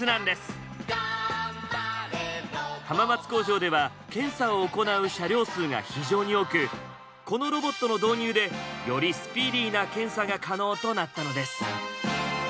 浜松工場では検査を行う車両数が非常に多くこのロボットの導入でよりスピーディーな検査が可能となったのです。